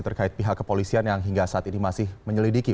terkait pihak kepolisian yang hingga saat ini masih menyelidiki